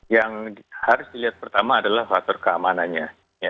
yang harus dilihat pertama adalah faktor keamanannya